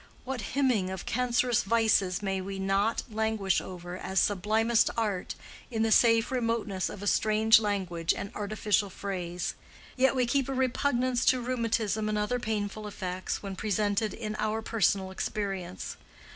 What hymning of cancerous vices may we not languish over as sublimest art in the safe remoteness of a strange language and artificial phrase! Yet we keep a repugnance to rheumatism and other painful effects when presented in our personal experience.